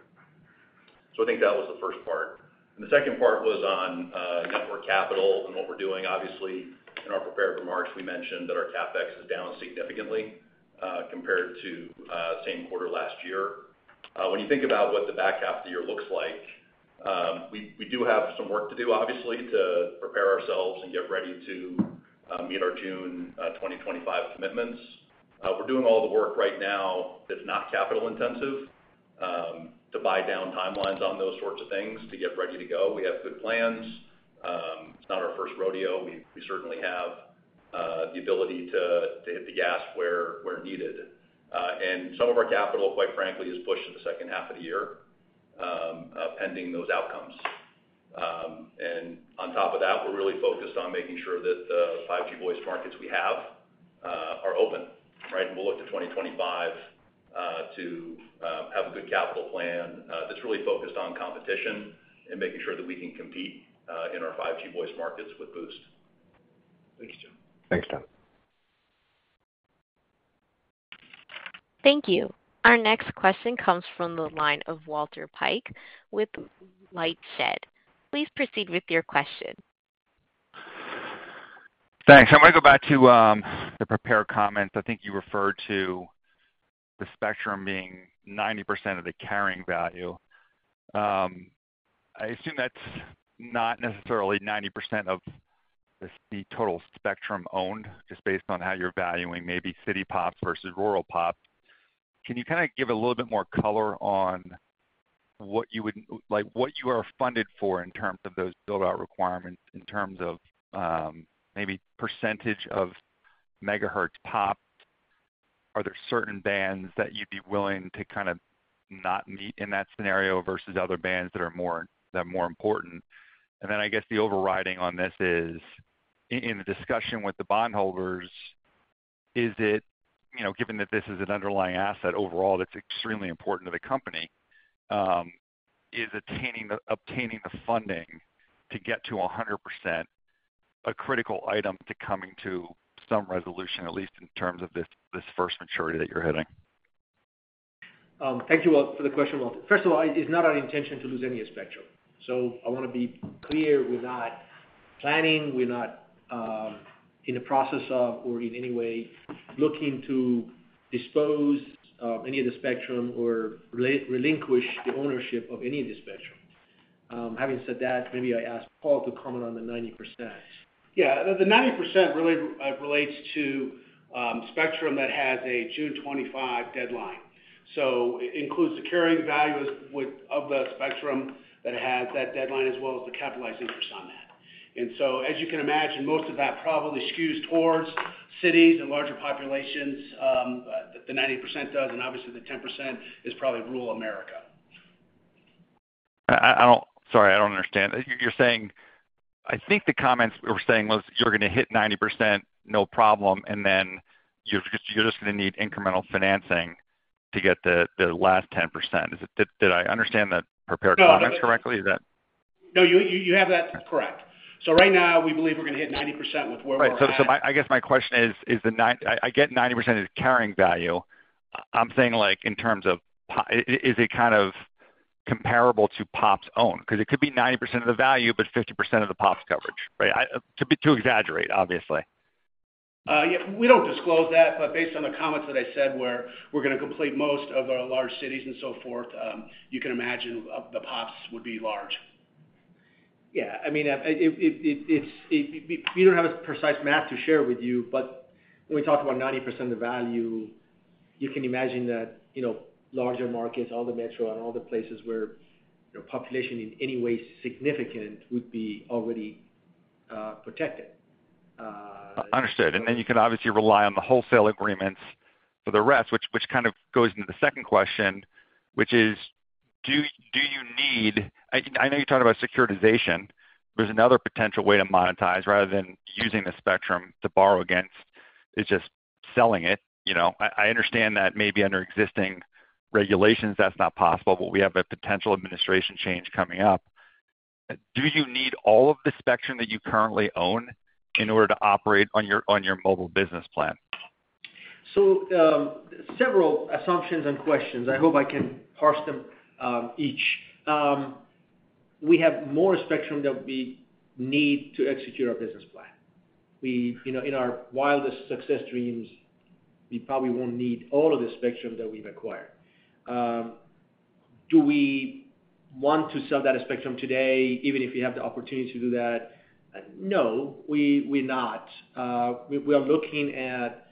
So I think that was the first part. The second part was on network capital and what we're doing. Obviously, in our prepared remarks, we mentioned that our CapEx is down significantly compared to same quarter last year. When you think about what the back half of the year looks like, we do have some work to do, obviously, to prepare ourselves and get ready to meet our June 2025 commitments. We're doing all the work right now that's not capital intensive to buy down timelines on those sorts of things to get ready to go. We have good plans. It's not our first rodeo. We, we certainly have the ability to, to hit the gas where, where needed. Some of our capital, quite frankly, is pushed to the second half of the year, pending those outcomes. On top of that, we're really focused on making sure that the 5G voice markets we have are open, right? We'll look to 2025 to have a good capital plan that's really focused on competition and making sure that we can compete in our 5G voice markets with Boost. Thanks, Jim. Thanks, Jim. Thank you. Our next question comes from the line of Walter Piecyk with LightShed. Please proceed with your question. Thanks. I'm gonna go back to the prepared comments. I think you referred to the spectrum being 90% of the carrying value. I assume that's not necessarily 90% of the total spectrum owned, just based on how you're valuing maybe city pops versus rural pop. Can you kinda give a little bit more color on what you would-- like, what you are funded for in terms of those build-out requirements, in terms of maybe percentage of megahertz popped? Are there certain bands that you'd be willing to not meet in that scenario versus other bands that are more, that are more important? And then I guess the overriding on this is, in the discussion with the bondholders, is it, you know, given that this is an underlying asset overall, that's extremely important to the company, obtaining the funding to get to 100%, a critical item to coming to some resolution, at least in terms of this, this first maturity that you're hitting? Thank you, Walter, for the question. First of all, it's not our intention to lose any spectrum. So I want to be clear, we're not planning, we're not in the process of, or in any way looking to dispose of any of the spectrum or relinquish the ownership of any of the spectrum. Having said that, maybe I ask Paul to comment on the 90%. The 90% really relates to spectrum that has a June 25 deadline. So it includes the carrying value of the spectrum that has that deadline, as well as the capitalized interest on that. And so, as you can imagine, most of that probably skews towards cities and larger populations, the 90% does, and obviously, the 10% is probably rural America. I don't understand. You're saying the comments we were saying was, you're gonna hit 90%, no problem, and then you're just gonna need incremental financing to get the last 10%. Did I understand the prepared comments correctly? Is that? No, you have that correct. So right now, we believe we're gonna hit 90% with where we're at. Right. So, my, I guess my question is, is the I get 90% is carrying value. I'm saying, like, in terms of comparable to pops owned? Because it could be 90% of the value, but 50% of the pops coverage, right? I, to be, to exaggerate, obviously. We don't disclose that, but based on the comments that I said, where we're gonna complete most of our large cities and so forth, you can imagine the pops would be large. It's. We don't have a precise map to share with you, but when we talk about 90% of the value, you can imagine that, you know, larger markets, all the metro and all the places where, you know, population in any way significant would be already protected. Understood. And then you can obviously rely on the wholesale agreements for the rest, which goes into the second question, which is: Do you need, I know you talked about securitization. There's another potential way to monetize rather than using the spectrum to borrow against, is just selling it, you know? I understand that maybe under existing regulations that's not possible, but we have a potential administration change coming up. Do you need all of the spectrum that you currently own in order to operate on your mobile business plan? So, several assumptions and questions. I hope I can parse them, each. We have more spectrum than we need to execute our business plan. We, you know, in our wildest success dreams, we probably won't need all of the spectrum that we've acquired. Do we want to sell that spectrum today, even if we have the opportunity to do that? No, we not. We are looking at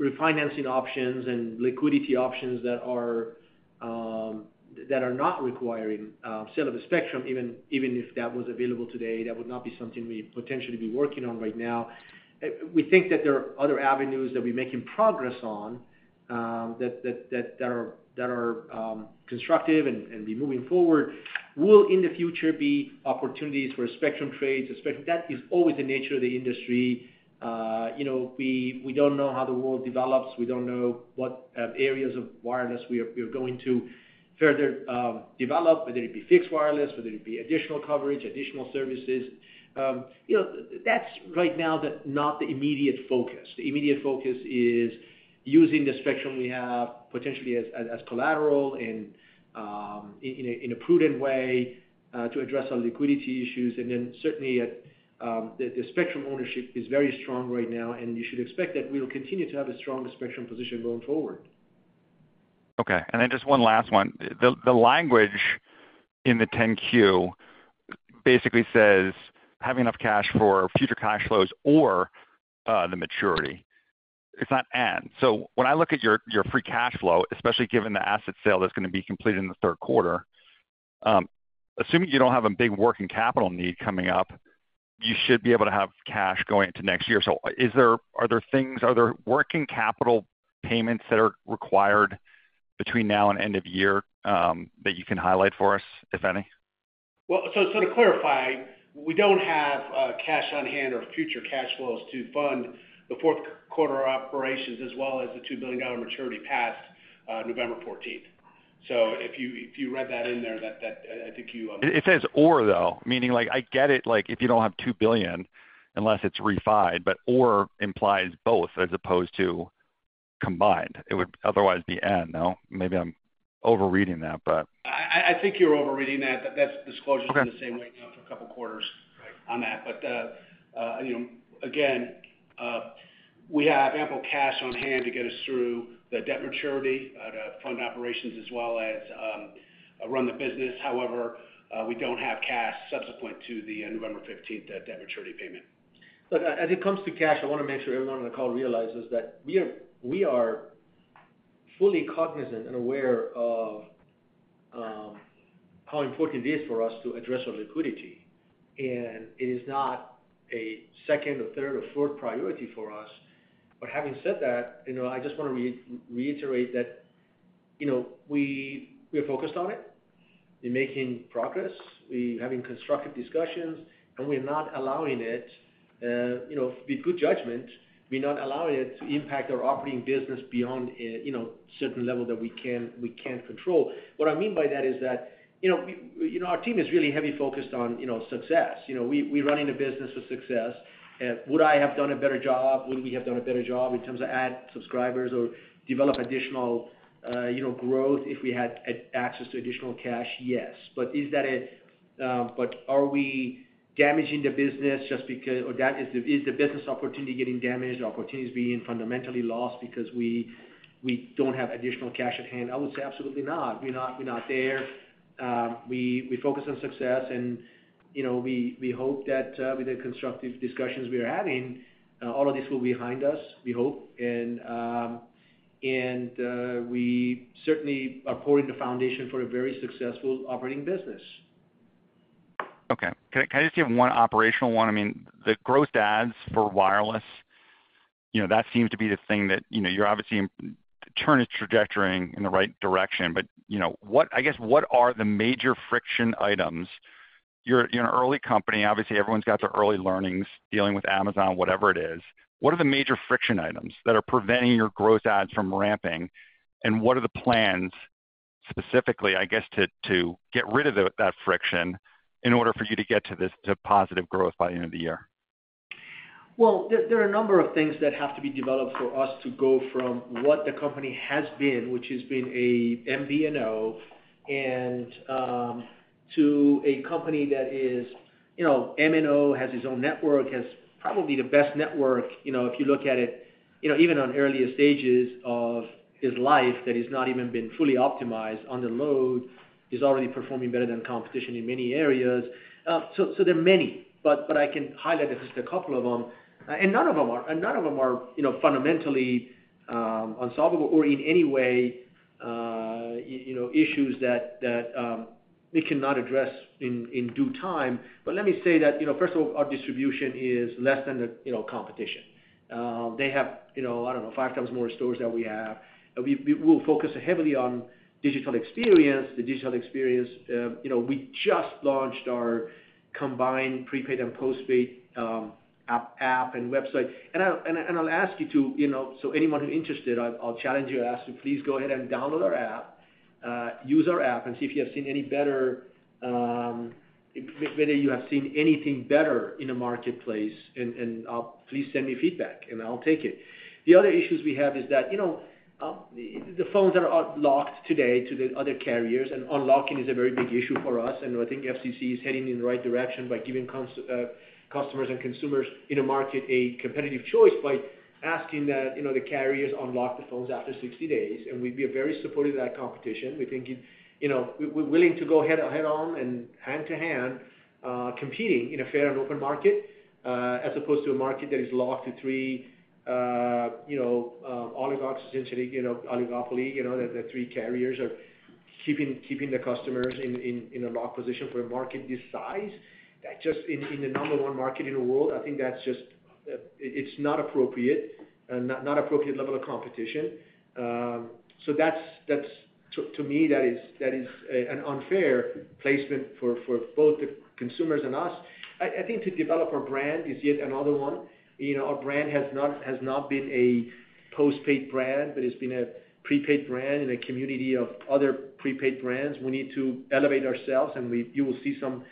refinancing options and liquidity options that are not requiring sale of the spectrum, even, even if that was available today, that would not be something we'd potentially be working on right now. We think that there are other avenues that we're making progress on that are constructive and be moving forward. Will, in the future, be opportunities for spectrum trades, et cetera. That is always the nature of the industry. You know, we don't know how the world develops. We don't know what areas of wireless we are going to further develop, whether it be fixed wireless, whether it be additional coverage, additional services. You know, that's right now not the immediate focus. The immediate focus is using the spectrum we have, potentially as collateral and in a prudent way to address our liquidity issues, and then certainly the spectrum ownership is very strong right now, and you should expect that we'll continue to have a strong spectrum position going forward. Okay. And then just one last one. The, the language in the 10-Q basically says, "Having enough cash for future cash flows or, the maturity." It's not and. So when I look at your, your free cash flow, especially given the asset sale that's gonna be completed in the Q3, assuming you don't have a big working capital need coming up, you should be able to have cash going into next year. So is there- are there things-- are there working capital payments that are required between now and end of year, that you can highlight for us, if any? Well, so to clarify, we don't have cash on hand or future cash flows to fund the Q4 operations, as well as the $2 billion maturity past November fourteenth. So if you read that in there, that, I think you It says, or, though, meaning, like, I get it, like, if you don't have $2 billion, unless it's refi'd, but or implies both, as opposed to combined. It would otherwise be and, no? Maybe I'm overreading that, but- I think you're overreading that. But that's the disclosure- Okay The same way for a couple of quarters on that. But, you know, again, we have ample cash on hand to get us through the debt maturity, to fund operations as well as run the business. However, we don't have cash subsequent to the November fifteenth debt maturity payment. Look, as it comes to cash, I wanna make sure everyone on the call realizes that we are, we are fully cognizant and aware of how important it is for us to address our liquidity, and it is not a second or third or fourth priority for us. But having said that, you know, I just wanna reiterate that, you know, we're focused on it. We're making progress. We're having constructive discussions, and we're not allowing it, you know, with good judgment, we're not allowing it to impact our operating business beyond a, you know, certain level that we can't control. What I mean by that is that, you know, we, you know, our team is really heavy focused on, you know, success. You know, we, we're running a business of success. Would I have done a better job? Would we have done a better job in terms of add subscribers or develop additional, you know, growth if we had access to additional cash? Yes. But is that a, but are we damaging the business just because, or that is the business opportunity getting damaged, the opportunities being fundamentally lost because we, we don't have additional cash at hand? I would say absolutely not. We're not, we're not there. We focus on success and, you know, we hope that with the constructive discussions we are having, all of this will be behind us, we hope. And we certainly are pouring the foundation for a very successful operating business. Okay. Can I just give one operational one? I mean, the growth ads for wireless, you know, that seems to be the thing that, you know, you're obviously turn its trajectory in the right direction, but what I guess, what are the major friction items? You're an early company, obviously, everyone's got their early learnings, dealing with Amazon, whatever it is. What are the major friction items that are preventing your growth ads from ramping, and what are the plans, specifically, I guess, to get rid of that friction in order for you to get to this positive growth by the end of the year? Well, there are a number of things that have to be developed for us to go from what the company has been, which has been a MVNO, and to a company that is, you know, MNO, has its own network, has probably the best network, you know, if you look at it, you know, even on earlier stages of its life, that it's not even been fully optimized on the load, is already performing better than competition in many areas. So there are many, but I can highlight just a couple of them. And none of them are, you know, fundamentally unsolvable or in any way, you know, issues that we cannot address in due time. But let me say that, you know, first of all, our distribution is less than the, you know, competition. They have 5 times more stores than we have. We will focus heavily on digital experience. The digital experience, you know, we just launched our combined prepaid and postpaid app and website. And I'll ask you to, so anyone who is interested, I'll challenge you and ask you, please go ahead and download our app, use our app and see if you have seen any better, whether you have seen anything better in the marketplace, and please send me feedback, and I'll take it. The other issues we have is that, you know, the phones are locked today to the other carriers, and unlocking is a very big issue for us, and I think FCC is heading in the right direction by giving customers and consumers in a market a competitive choice by asking that, you know, the carriers unlock the phones after 60 days, and we'd be very supportive of that competition. We think it, you know, we're willing to go head-on, head on and hand to hand, competing in a fair and open market. As opposed to a market that is locked to three, you know, oligarchs, essentially, you know, oligopoly that the three carriers are keeping the customers in a locked position for a market this size, that just in the number one market in the world, I think that's just, it's not appropriate, and not appropriate level of competition. So that's, to me, that is, that is, an unfair placement for both the consumers and us. I think to develop our brand is yet another one. You know, our brand has not been a postpaid brand, but it's been a prepaid brand in a community of other prepaid brands. We need to elevate ourselves, and you will see some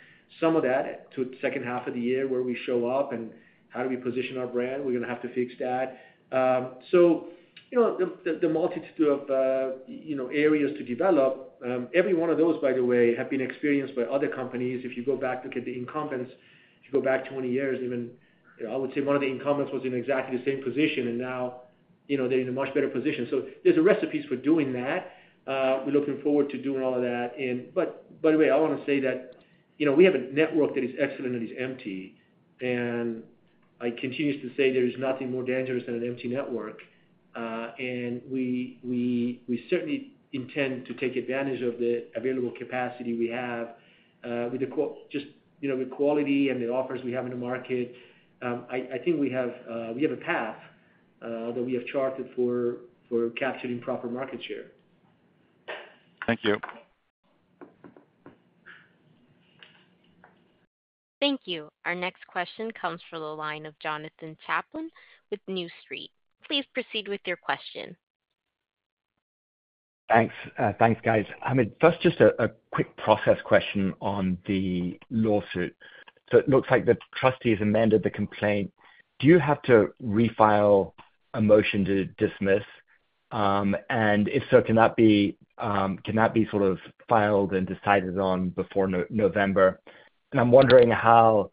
of that to the second half of the year, where we show up and how do we position our brand. We're gonna have to fix that. So, you know, the multitude of, you know, areas to develop, every one of those, by the way, have been experienced by other companies. If you go back, look at the incumbents, if you go back 20 years, even, I would say one of the incumbents was in exactly the same position, and now, you know, they're in a much better position. So there's a recipes for doing that. We're looking forward to doing all of that. But, by the way, I wanna say that, you know, we have a network that is excellent and is empty. I continue to say, there is nothing more dangerous than an empty network. And we certainly intend to take advantage of the available capacity we have with just, you know, the quality and the offers we have in the market. I think we have a path that we have charted for capturing proper market share. Thank you. Thank you. Our next question comes from the line of Jonathan Chaplin with New Street. Please proceed with your question. Thanks, guys. Hamid, first, just a quick process question on the lawsuit. So it looks like the trustee has amended the complaint. Do you have to refile a motion to dismiss? And if so, can that be filed and decided on before November? And I'm wondering how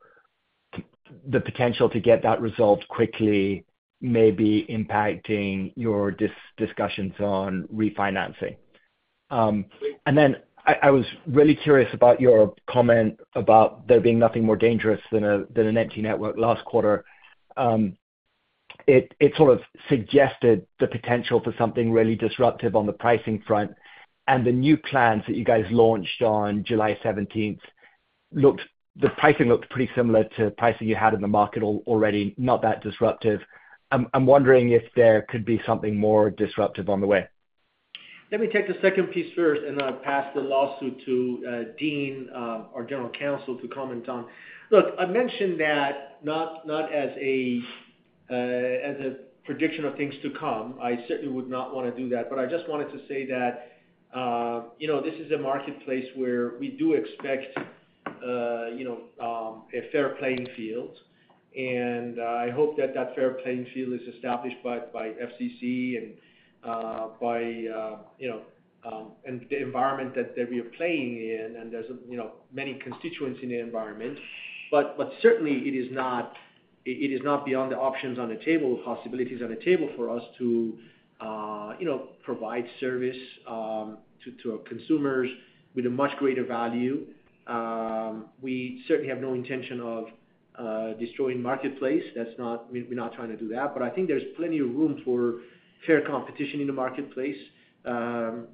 the potential to get that resolved quickly may be impacting your discussions on refinancing. And then I was really curious about your comment about there being nothing more dangerous than an empty network last quarter. It suggested the potential for something really disruptive on the pricing front. And the new plans that you guys launched on July 17 looked, the pricing looked pretty similar to pricing you had in the market already, not that disruptive. I'm wondering if there could be something more disruptive on the way. Let me take the second piece first, and then I'll pass the lawsuit to Dean, our General Counsel, to comment on. Look, I mentioned that not as a prediction of things to come. I certainly would not wanna do that. But I just wanted to say that, you know, this is a marketplace where we do expect, you know, a fair playing field. And, I hope that that fair playing field is established by FCC and by the environment that we are playing in, and there's, you know, many constituents in the environment. But certainly, it is not beyond the options on the table, possibilities on the table for us to, you know, provide service to our consumers with a much greater value. We certainly have no intention of destroying marketplace. That's not- we're, we're not trying to do that. But I think there's plenty of room for fair competition in the marketplace.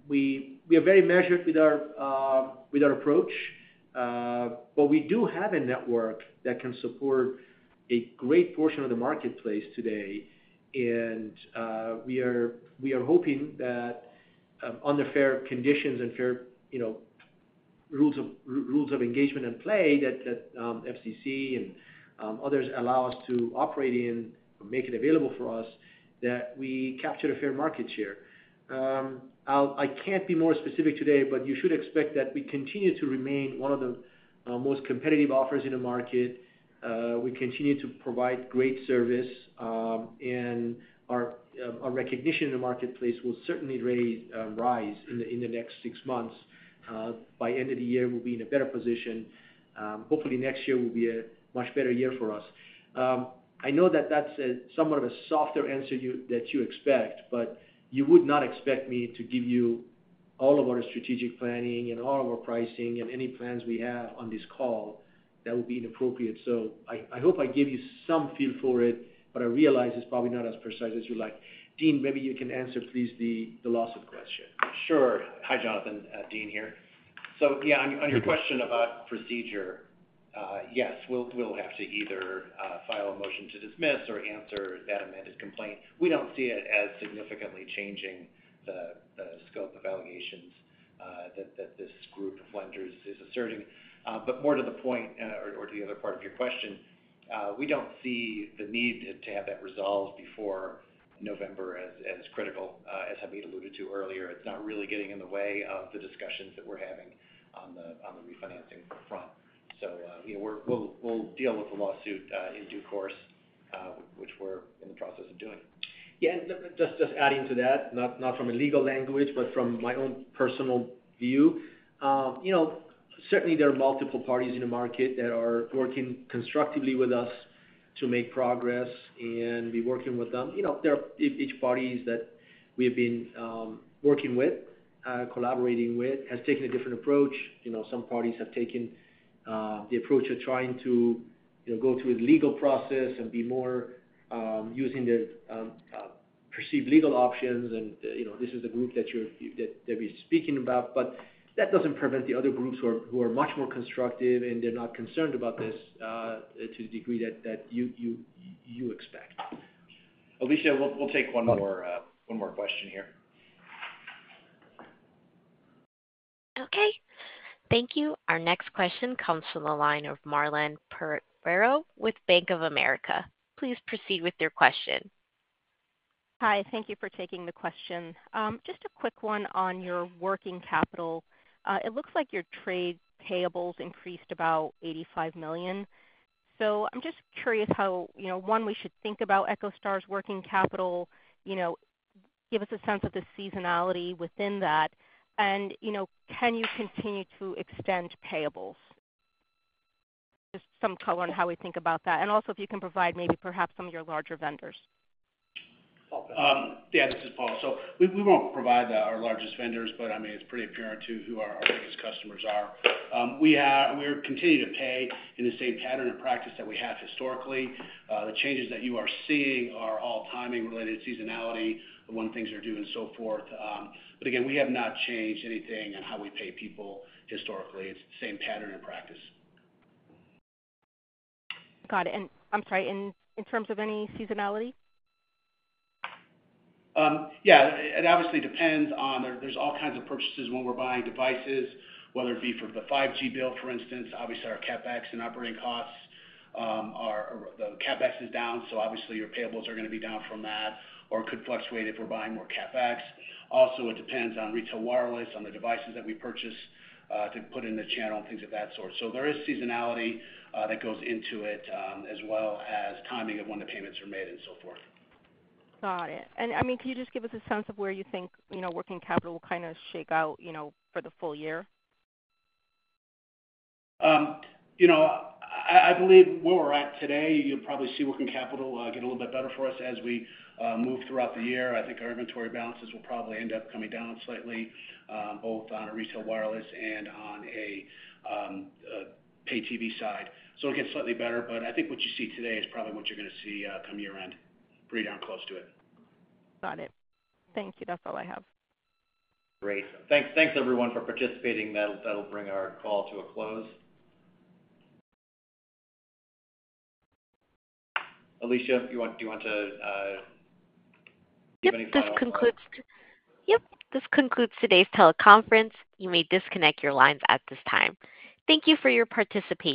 We, we are very measured with our, with our approach, but we do have a network that can support a great portion of the marketplace today. And, we are, we are hoping that, under fair conditions and fair, you know, rules of, rules of engagement and play, that, that, FCC and, others allow us to operate in and make it available for us, that we capture a fair market share. I'll-- I can't be more specific today, but you should expect that we continue to remain one of the, most competitive offers in the market. We continue to provide great service, and our recognition in the marketplace will certainly really rise in the next six months. By end of the year, we'll be in a better position. Hopefully, next year will be a much better year for us. I know that that's somewhat of a softer answer you expect, but you would not expect me to give you all of our strategic planning and all of our pricing and any plans we have on this call. That would be inappropriate. So I hope I gave you some feel for it, but I realize it's probably not as precise as you'd like. Dean, maybe you can answer, please, the lawsuit question. Hi, Jonathan, Dean here. On your question about procedure, yes, we'll have to either file a motion to dismiss or answer that amended complaint. We don't see it as significantly changing the scope of allegations that this group of lenders is asserting. But more to the point, or to the other part of your question, we don't see the need to have that resolved before November as critical. As Hamid alluded to earlier, it's not really getting in the way of the discussions that we're having on the refinancing front. So, you know, we'll deal with the lawsuit in due course, which we're in the process of doing. And just adding to that, not from a legal language, but from my own personal view. You know, certainly there are multiple parties in the market that are working constructively with us to make progress and be working with them. You know, there are each parties that we've been working with, collaborating with, has taken a different approach. You know, some parties have taken the approach of trying to, you know, go through a legal process and be more using the perceive legal options, and, you know, this is the group that you're that we're speaking about. But that doesn't prevent the other groups who are much more constructive, and they're not concerned about this to the degree that you expect. Alicia, we'll, we'll take one more, one more question here. Okay. Thank you. Our next question comes from the line of Marilyn Pereira with Bank of America. Please proceed with your question. Hi, thank you for taking the question. Just a quick one on your working capital. It looks like your trade payables increased about $85 million. So I'm just curious how, you know, one, we should think about EchoStar's working capital, you know, give us a sense of the seasonality within that, and, you know, can you continue to extend payables? Just some color on how we think about that, and also if you can provide maybe perhaps some of your larger vendors. This is Paul. So we won't provide our largest vendors, but I mean, it's pretty apparent to who our biggest customers are. We're continuing to pay in the same pattern and practice that we have historically. The changes that you are seeing are all timing-related seasonality, when things are due, and so forth. But again, we have not changed anything on how we pay people historically. It's the same pattern and practice. Got it. I'm sorry, in terms of any seasonality? It obviously depends on there's all kinds of purchases when we're buying devices, whether it be for the 5G build, for instance. Obviously, our CapEx and operating costs are the CapEx is down, so obviously, your payables are gonna be down from that or could fluctuate if we're buying more CapEx. Also, it depends on retail wireless, on the devices that we purchase to put in the channel and things of that sort. So there is seasonality that goes into it as well as timing of when the payments are made and so forth. Got it. I mean, can you just give us a sense of where you think, you know, working capital will shake out, you know, for the full year? You know, I believe where we're at today, you'll probably see working capital get a little bit better for us as we move throughout the year. I think our inventory balances will probably end up coming down slightly, both on a retail wireless and on a pay TV side. So it'll get slightly better, but I think what you see today is probably what you're gonna see come year-end, pretty darn close to it. Got it. Thank you. That's all I have. Great. Thanks, everyone, for participating. That'll bring our call to a close. Alicia, do you want to give any final- Yep, this concludes today's teleconference. You may disconnect your lines at this time. Thank you for your participation.